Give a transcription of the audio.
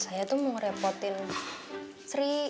saya tuh mau ngerepotin sri